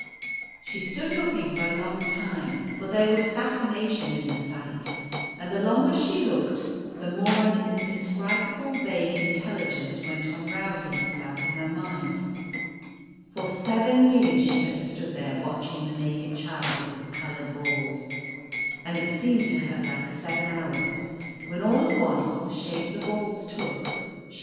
She stood looking for a long time, for there was fascination in the sight ; and the longer she looked the more an indescribable vague intelligence went on rousing itself in her mind. For seven years she had stood there watching the naked Child with his coloured balls, and it seemed to her like seven hours, when all at once the shape the balls took, * I think I must be indebted to Novalis for these geometrical figures.